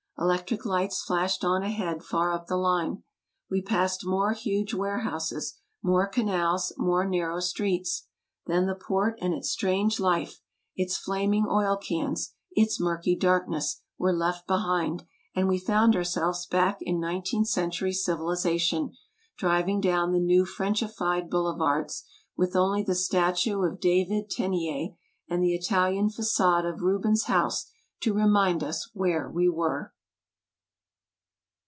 Electric lights flashed on ahead far up the line. We passed more huge warehouses, more canals, more nar row streets. Then the Port and its strange life, its flaming oil cans, its murky darkness, were left behind, and we found ourselves back in nineteenth century civilization, driving down the new Frenchified boulevards, with only the statue of David Teniers and the Italian faqade of Rubens' house to remind us where we were.